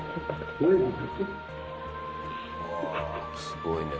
すごいね。